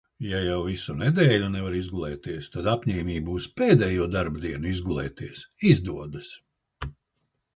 Ja jau visu nedēļu nevar izgulēties, tad apņēmība uz pēdējo darba dienu izgulēties izdodas.